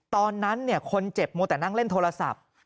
ตอนนั้นคนเจ็บมัวแต่นั่งเล่นโทรศัพท์